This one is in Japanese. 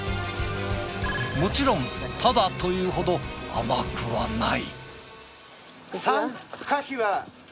もちろんタダというほど甘くはない。